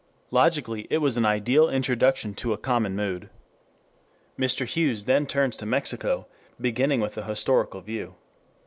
Logically it was an ideal introduction to a common mood. Mr. Hughes then turns to Mexico, beginning with an historical review.